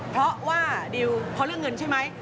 เพราะว่าดิวเพราะเรื่องเงินใช่ไหม